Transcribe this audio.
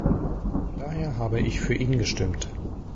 Daher habe ich für ihn gestimmt.